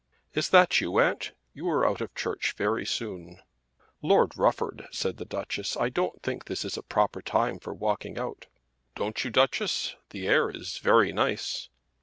"Is that you, aunt? you are out of church very soon." "Lord Rufford," said the Duchess, "I don't think this is a proper time for walking out." "Don't you, Duchess? The air is very nice."